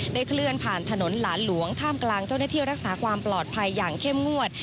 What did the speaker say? เคลื่อนผ่านถนนหลานหลวงท่ามกลางเจ้าหน้าที่รักษาความปลอดภัยอย่างเข้มงวด